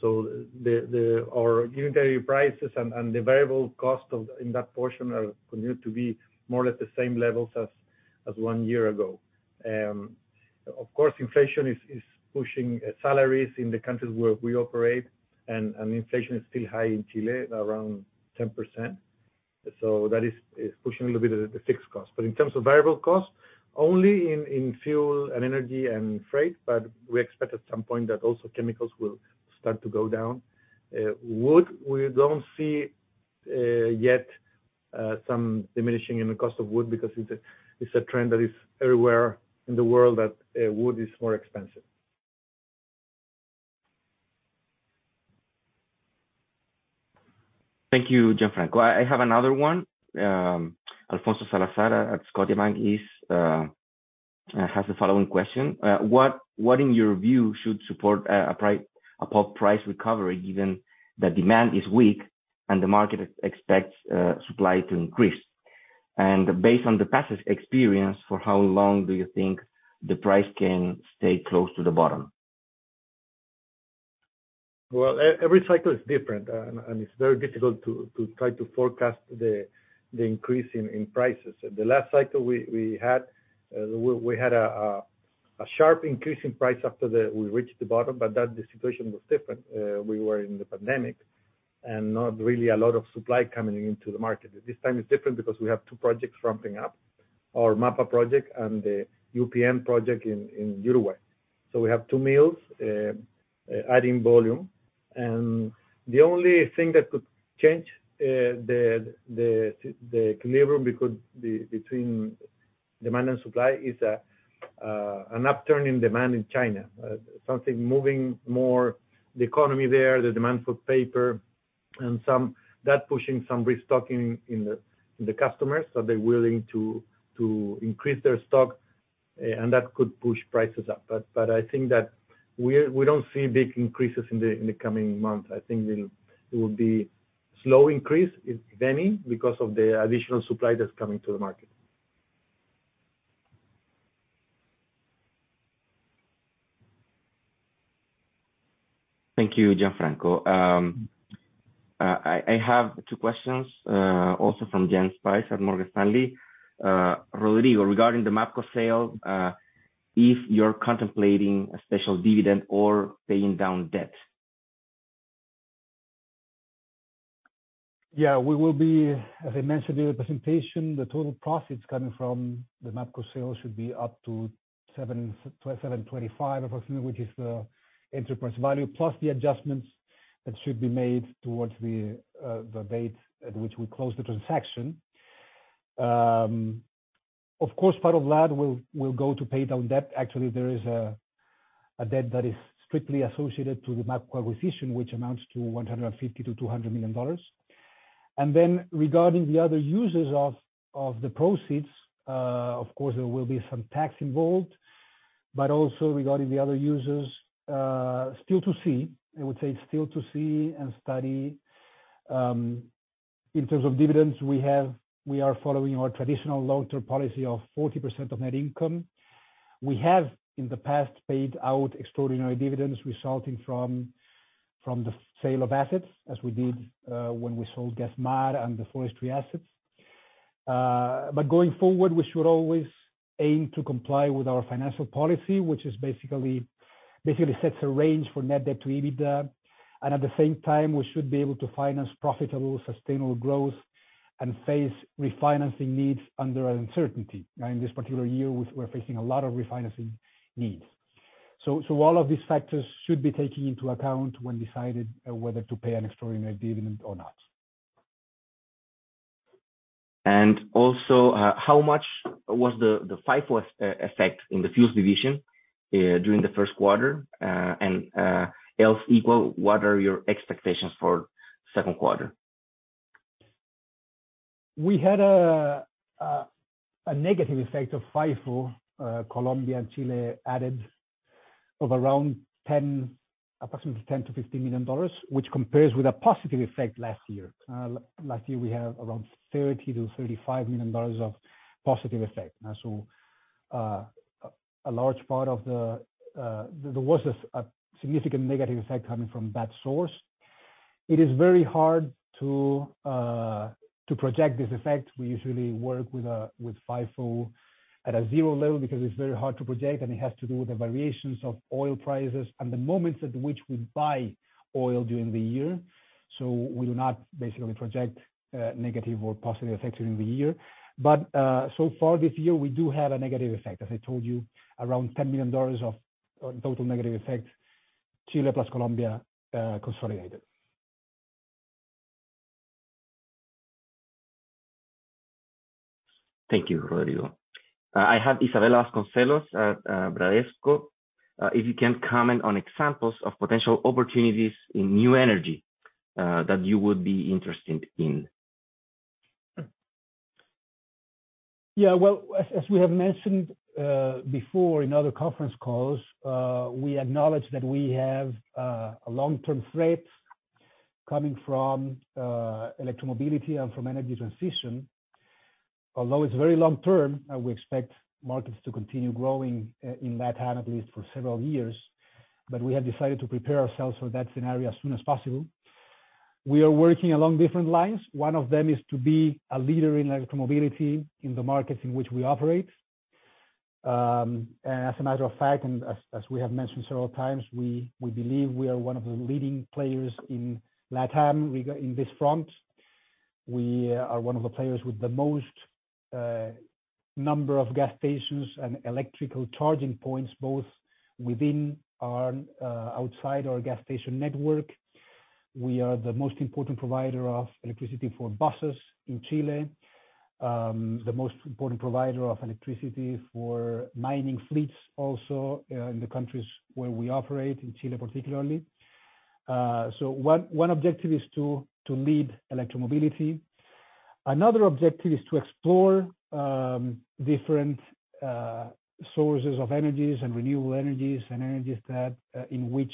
The Our unitary prices and the variable cost in that portion are continued to be more or less the same levels as one year ago. Of course, inflation is pushing salaries in the countries where we operate. Inflation is still high in Chile, around 10%. That is pushing a little bit at the fixed cost. In terms of variable costs, only in fuel and energy and freight. We expect at some point that also chemicals will start to go down. Wood, we don't see, yet, some diminishing in the cost of wood because it's a trend that is everywhere in the world, that, wood is more expensive. Thank you, Gianfranco. I have another one. Alfonso Salazar at Scotiabank has the following question. What in your view should support a pulp price recovery, given that demand is weak and the market expects supply to increase? Based on the past experience, for how long do you think the price can stay close to the bottom? Well, every cycle is different, and it's very difficult to try to forecast the increase in prices. The last cycle we had, we had a sharp increase in price after we reached the bottom, but the situation was different. We were in the pandemic. Not really a lot of supply coming into the market. This time it's different because we have two projects ramping up, our MAPA project and the UPM project in Uruguay. We have two mills, adding volume. The only thing that could change the equilibrium between demand and supply is an upturn in demand in China. Something moving more the economy there, the demand for paper and that pushing some restocking in the customers. Are they willing to increase their stock? That could push prices up. I think that we don't see big increases in the coming months. I think it will be slow increase, if any, because of the additional supply that's coming to the market. Thank you, Gianfranco. I have two questions, also from Jan Spice at Morgan Stanley. Rodrigo, regarding the MAPCO sale, if you're contemplating a special dividend or paying down debt? Yeah. As I mentioned in the presentation, the total profits coming from the MAPCO sale should be up to $725 approximately, which is the enterprise value, plus the adjustments that should be made towards the date at which we close the transaction. Of course, part of that will go to pay down debt. Actually, there is a debt that is strictly associated to the MAPCO acquisition, which amounts to $150 million-$200 million. Regarding the other uses of the proceeds, of course, there will be some tax involved. Also regarding the other uses, still to see. I would say it's still to see and study. In terms of dividends we have, we are following our traditional long-term policy of 40% of net income. We have, in the past, paid out extraordinary dividends resulting from the sale of assets, as we did when we sold Gasmar and the forestry assets. Going forward, we should always aim to comply with our financial policy, which basically sets a range for net debt to EBITDA. At the same time, we should be able to finance profitable, sustainable growth and face refinancing needs under uncertainty. Now, in this particular year, we're facing a lot of refinancing needs. All of these factors should be taken into account when deciding whether to pay an extraordinary dividend or not. How much was the FIFO effect in the fuels division during the first quarter? Else equal, what are your expectations for second quarter? We had a negative effect of FIFO, Colombia and Chile added of around approximately $10 million-$15 million, which compares with a positive effect last year. Last year we had around $30 million-$35 million of positive effect. There was a significant negative effect coming from that source. It is very hard to project this effect. We usually work with FIFO at a zero level because it's very hard to project, and it has to do with the variations of oil prices and the moments at which we buy oil during the year. We do not basically project negative or positive effects during the year. So far this year, we do have a negative effect, as I told you, around $10 million of total negative effect, Chile plus Colombia, consolidated. Thank you, Rodrigo. I have Isabella Vasconcelos at Bradesco. If you can comment on examples of potential opportunities in new energy that you would be interested in. Well, as we have mentioned, before in other conference calls, we acknowledge that we have a long-term threat coming from electromobility and from energy transition. Although it's very long-term, we expect markets to continue growing in LatAm at least for several years. We have decided to prepare ourselves for that scenario as soon as possible. We are working along different lines. One of them is to be a leader in electromobility in the markets in which we operate. As a matter of fact, and as we have mentioned several times, we believe we are one of the leading players in LatAm in this front. We are one of the players with the most number of gas stations and electrical charging points, both within and outside our gas station network. We are the most important provider of electricity for buses in Chile, the most important provider of electricity for mining fleets also, in the countries where we operate, in Chile particularly. One objective is to lead electromobility. Another objective is to explore different sources of energies and renewable energies and energies that in which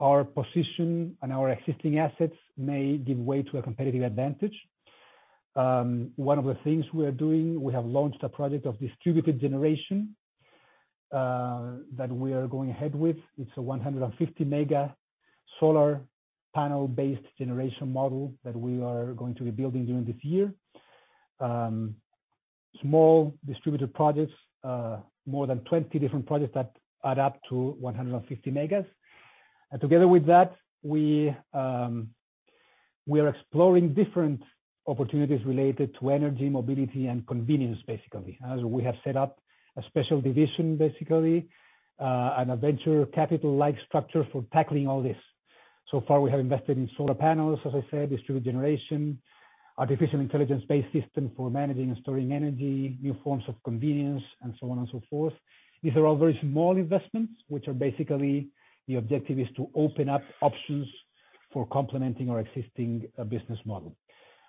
our position and our existing assets may give way to a competitive advantage. One of the things we are doing, we have launched a project of distributed generation that we are going ahead with. It's a 150 mega solar panel-based generation model that we are going to be building during this year. Small distributed projects, more than 20 different projects that add up to 150 megas. Together with that, we are exploring different opportunities related to energy, mobility, and convenience, basically. As we have set up a special division, basically, a venture capital-like structure for tackling all this. So far, we have invested in solar panels, as I said, distributed generation, artificial intelligence-based system for managing and storing energy, new forms of convenience, and so on and so forth. These are all very small investments, which are basically the objective is to open up options for complementing our existing business model.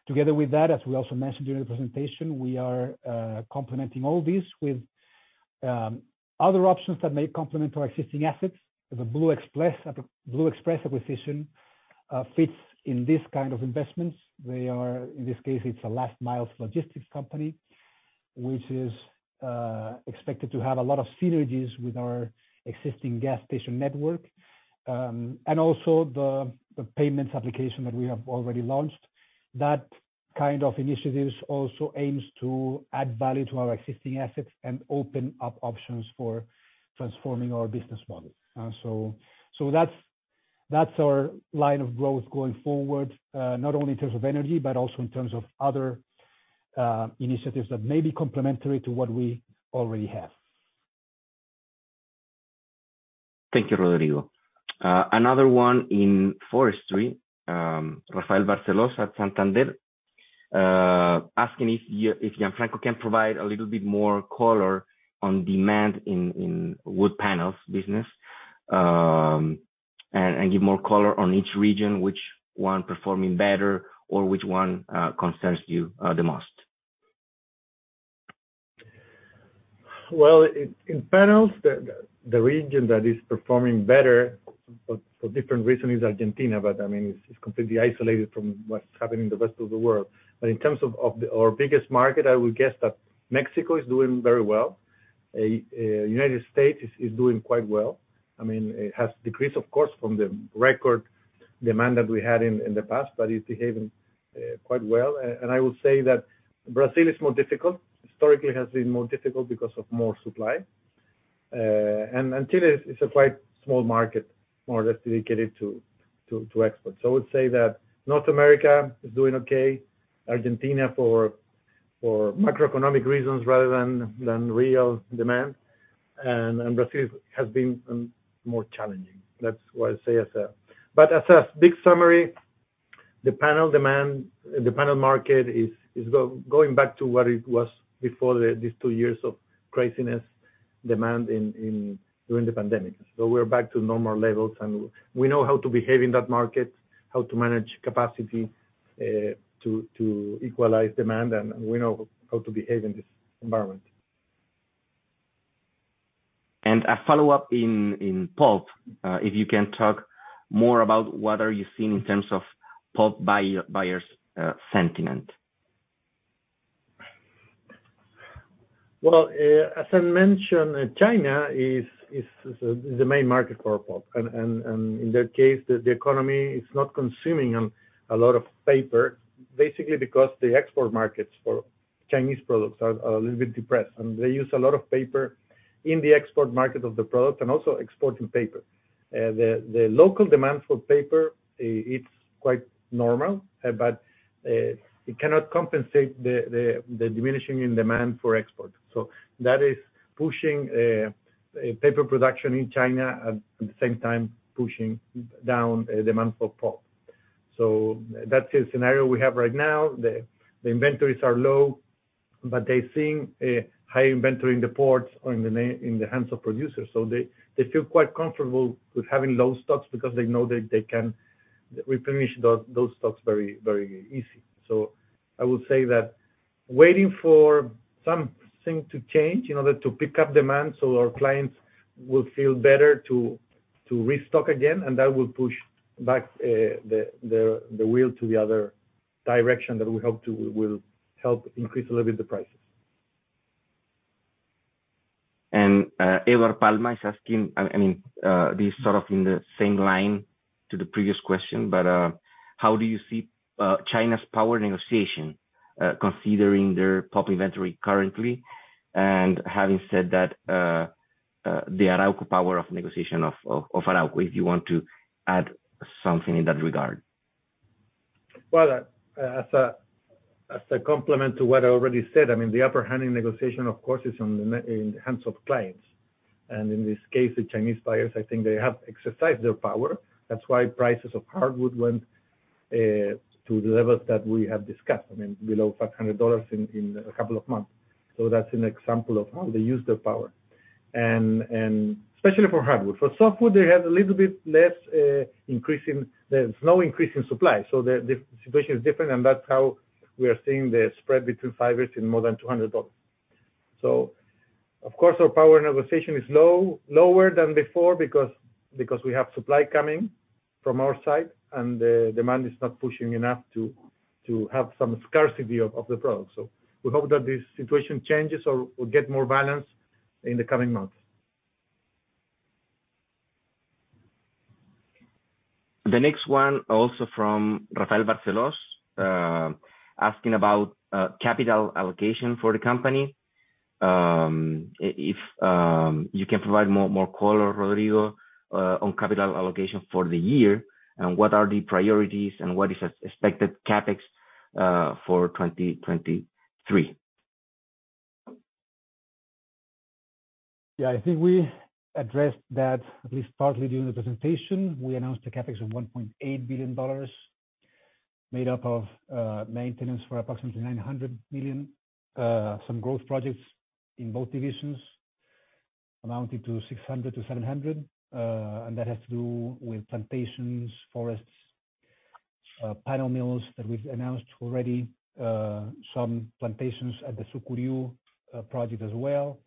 Together with that, as we also mentioned during the presentation, we are complementing all this with other options that may complement our existing assets. The Blue Express acquisition fits in this kind of investments. In this case, it's a last mile logistics company, which is expected to have a lot of synergies with our existing gas station network, and also the payments application that we have already launched. That kind of initiatives also aims to add value to our existing assets and open up options for transforming our business model. That's our line of growth going forward, not only in terms of energy, but also in terms of other initiatives that may be complementary to what we already have. Thank you, Rodrigo. Another one in forestry, Rafael Barcellos at Santander, asking if Gianfranco can provide a little bit more color on demand in wood panels business, and give more color on each region, which one performing better or which one concerns you the most. Well, in panels, the region that is performing better, but for different reasons, is Argentina. I mean, it's completely isolated from what's happening in the rest of the world. In terms of our biggest market, I would guess that Mexico is doing very well. United States is doing quite well. I mean, it has decreased, of course, from the record demand that we had in the past, but it's behaving quite well. I will say that Brazil is more difficult. Historically, has been more difficult because of more supply. Chile is a quite small market, more or less dedicated to export. I would say that North America is doing okay. Argentina for macroeconomic reasons rather than real demand. Brazil has been more challenging. That's what I say as a... As a big summary, the panel demand, the panel market is going back to what it was before the these two years of craziness demand in during the pandemic. We're back to normal levels, and we know how to behave in that market, how to manage capacity, to equalize demand, and we know how to behave in this environment. A follow-up in pulp, if you can talk more about what are you seeing in terms of pulp buyers' sentiment. Well, as I mentioned, China is the main market for our pulp. In that case, the economy is not consuming a lot of paper, basically because the export markets for Chinese products are a little bit depressed. They use a lot of paper in the export market of the product and also exporting paper. The local demand for paper, it's quite normal, but it cannot compensate the diminishing in demand for export. That is pushing paper production in China, at the same time pushing down demand for pulp. That's the scenario we have right now. The inventories are low, but they're seeing a high inventory in the ports or in the hands of producers. They feel quite comfortable with having low stocks because they know they can replenish those stocks very, very easy. I would say that waiting for something to change in order to pick up demand, so our clients will feel better to restock again, and that will push back the wheel to the other direction that we hope to will help increase a little bit the prices. Ever Palma is asking, I mean, this sort of in the same line to the previous question, but how do you see China's power negotiation, considering their pulp inventory currently? Having said that, the Arauco power of negotiation of Arauco, if you want to add something in that regard? Well, as a complement to what I already said, I mean, the upper hand in negotiation, of course, is in hands of clients. In this case, the Chinese buyers, I think they have exercised their power. That's why prices of hardwood went to the levels that we have discussed, I mean, below $500 in a couple of months. That's an example of how they use their power. Especially for hardwood. For softwood, they have a little bit less increase. There's no increase in supply. The situation is different, that's how we are seeing the spread between fibers in more than $200. Of course, our power negotiation is lower than before because we have supply coming from our side and the demand is not pushing enough to have some scarcity of the product. We hope that this situation changes or get more balanced in the coming months. The next one also from Rafael Barcellos, asking about capital allocation for the company. If you can provide more color, Rodrigo, on capital allocation for the year, and what are the priorities and what is expected CapEx for 2023? Yeah. I think we addressed that at least partly during the presentation. We announced a CapEx of $1.8 billion made up of maintenance for approximately $900 million, some growth projects in both divisions amounting to $600 million-$700 million. That has to do with plantations, forests, panel mills that we've announced already, some plantations at the Sucuriú project as well.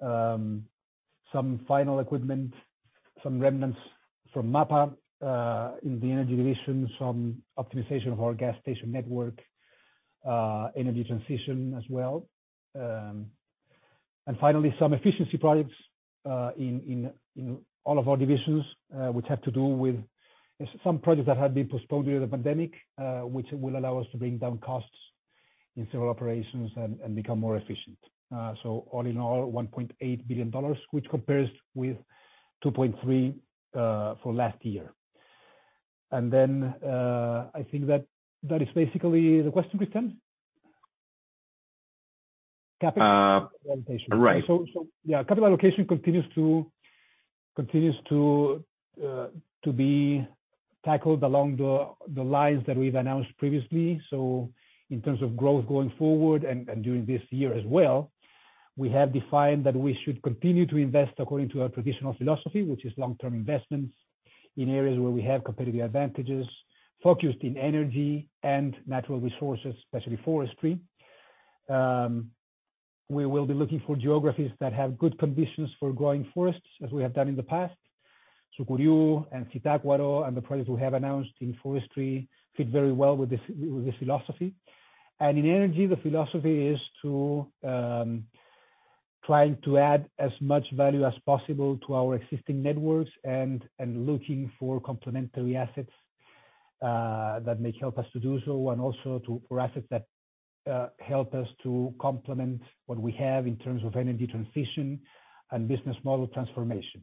Some final equipment, some remnants from MAPA, in the energy division, some optimization of our gas station network, energy transition as well. Finally, some efficiency projects in all of our divisions, which have to do with some projects that had been postponed due to the pandemic, which will allow us to bring down costs in several operations and become more efficient. All in all, $1.8 billion, which compares with $2.3 billion for last year. I think that that is basically the question, Christian? CapEx allocation. Right. Yeah, capital allocation continues to be tackled along the lines that we've announced previously. In terms of growth going forward and during this year as well, we have defined that we should continue to invest according to our traditional philosophy, which is long-term investments in areas where we have competitive advantages, focused in energy and natural resources, especially forestry. We will be looking for geographies that have good conditions for growing forests as we have done in the past. Sucuriú and Zitácuaro and the projects we have announced in forestry fit very well with this philosophy. In energy, the philosophy is to, trying to add as much value as possible to our existing networks and looking for complementary assets that may help us to do so, and also for assets that help us to complement what we have in terms of energy transition and business model transformation.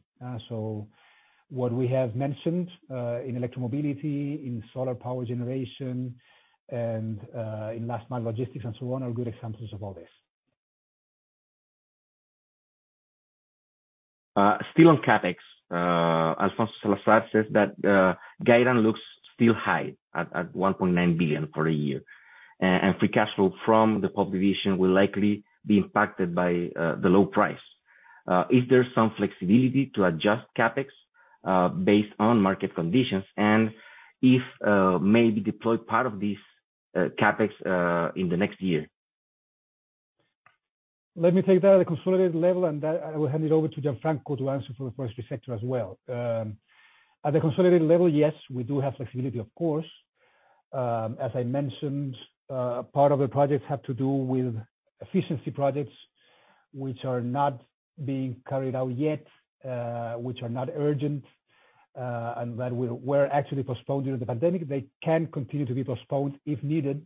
What we have mentioned in electromobility, in solar power generation, and in last mile logistics and so on, are good examples of all this. Still on CapEx, Alfonso Celis says that guidance looks still high at $1.9 billion for a year, and free cash flow from the pulp division will likely be impacted by the low price. Is there some flexibility to adjust CapEx based on market conditions? If maybe deploy part of this CapEx in the next year? Let me take that at the consolidated level, and then I will hand it over to Gianfranco to answer for the forestry sector as well. At the consolidated level, yes, we do have flexibility, of course. As I mentioned, part of the projects have to do with efficiency projects which are not being carried out yet, which are not urgent, and that were actually postponed due to the pandemic. They can continue to be postponed if needed.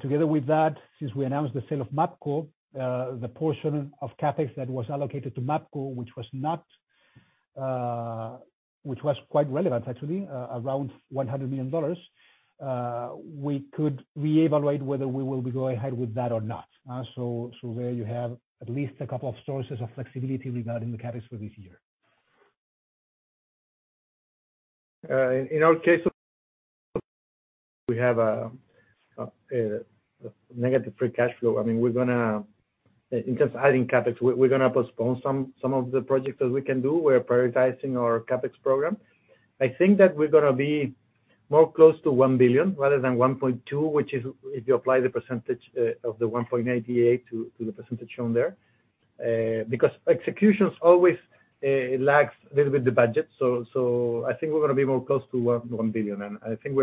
Together with that, since we announced the sale of MAPCO, the portion of CapEx that was allocated to MAPCO, which was not, Which was quite relevant actually, around $100 million, we could reevaluate whether we will be going ahead with that or not. There you have at least a couple of sources of flexibility regarding the CapEx for this year. In our case we have negative free cash flow. I mean, we're gonna, in terms of adding CapEx, we're gonna postpone some of the projects that we can do. We're prioritizing our CapEx program. I think that we're gonna be more close to $1 billion rather than $1.2, which is if you apply the percentage of the 1.8 EA to the percentage shown there. Because execution's always lags a little bit the budget. I think we're gonna be more close to $1 billion. I think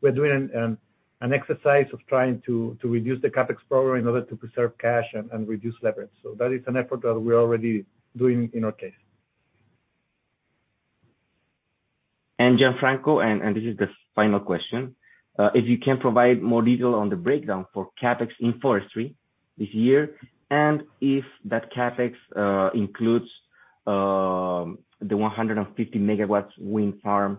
we're doing an exercise of trying to reduce the CapEx program in order to preserve cash and reduce leverage. That is an effort that we're already doing in our case. Gianfranco, and this is the final question. If you can provide more detail on the breakdown for CapEx in forestry this year, and if that CapEx includes the 150 megawatts wind farm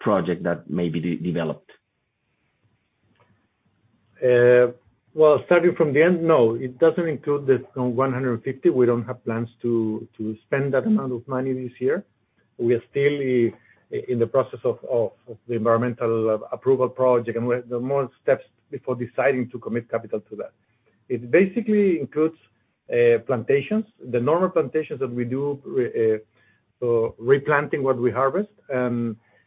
project that may be de-developed? Well, starting from the end, no. It doesn't include the 150. We don't have plans to spend that amount of money this year. We are still in the process of the environmental approval project, and we have more steps before deciding to commit capital to that. It basically includes plantations, the normal plantations that we do replanting what we harvest.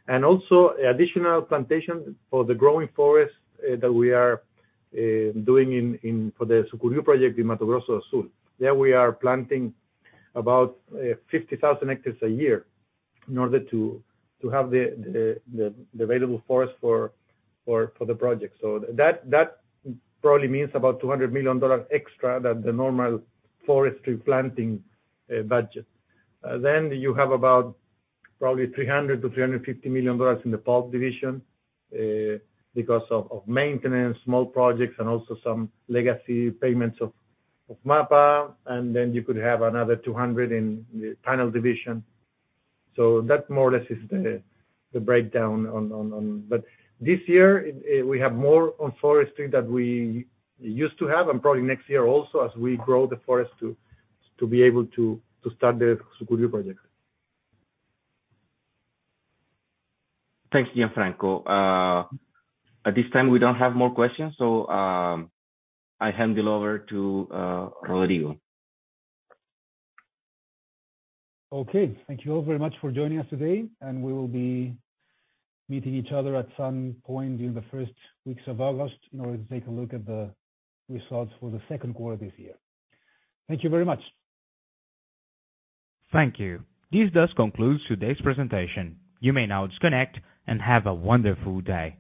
Also additional plantations for the growing forest that we are doing in for the Sucuriú project in Mato Grosso do Sul. There we are planting about 50,000 hectares a year in order to have the available forest for the project. That probably means about $200 million extra than the normal forestry planting budget. You have about probably $300 million-$350 million in the pulp division because of maintenance, small projects, and also some legacy payments of MAPA. You could have another $200 in the panel division. That more or less is the breakdown on. This year, we have more on forestry than we used to have, and probably next year also as we grow the forest to be able to start the Sucuriú project. Thanks, Gianfranco. At this time, we don't have more questions, so, I hand it over to, Rodrigo. Okay. Thank you all very much for joining us today. We will be meeting each other at some point in the first weeks of August in order to take a look at the results for the second quarter this year. Thank you very much. Thank you. This does conclude today's presentation. You may now disconnect and have a wonderful day.